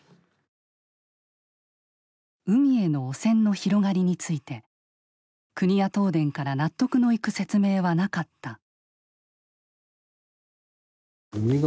海への汚染の広がりについて国や東電から納得のいく説明はなかった。